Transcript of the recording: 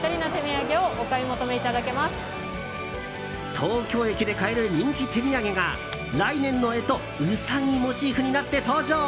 東京駅で買える人気手土産が来年の干支ウサギモチーフになって登場。